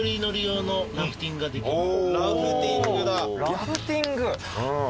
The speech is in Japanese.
ラフティング？